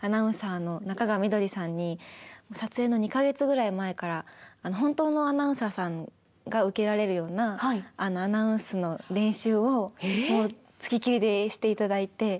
アナウンサーの中川緑さんに撮影の２か月ぐらい前から本当のアナウンサーさんが受けられるようなアナウンスの練習を付きっきりでしていただいて。